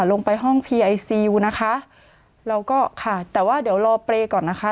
ลงไปห้องพีไอซียูนะคะเราก็ค่ะแต่ว่าเดี๋ยวรอเปรย์ก่อนนะคะ